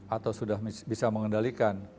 atau sudah bisa mengendalikan